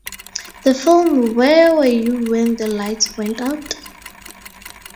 The film Where Were You When the Lights Went Out?